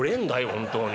本当に。